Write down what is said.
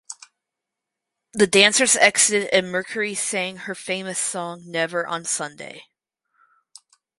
The dancers exited and Mercouri sang her famous song "Never on Sunday".